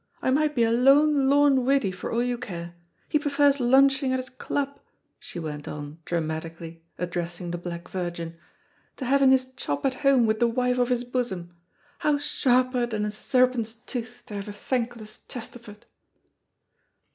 I might be a lone lorn widdy for all you care. He prefers lunching at his club," she went on, dramatically, addressing the black virgin, "to having his chop at home with the wife of his bosom. How sharper than a serpent's tooth to have a thankless Chesterford!".